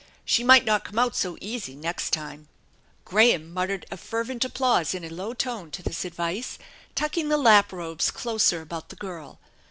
She might not come out so easy next time !" Graham muttered a fervent applause in a low tone to this advice, tucking the lap robes closer about the girl.